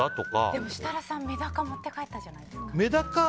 でも設楽さん、メダカ持って帰ったじゃないですか。